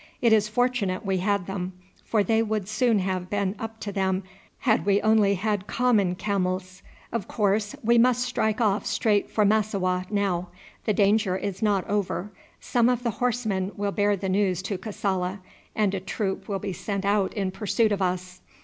It is fortunate we had them, for they would soon have been up to them had we only had common camels. Of course we must strike off straight for Massowah now. The danger is not over; some of the horsemen will bear the news to Kassala and a troop will be sent out in pursuit of us.